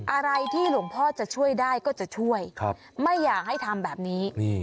อะไรที่หลวงพ่อจะช่วยได้ก็จะช่วยไม่อยากให้ทำแบบนี้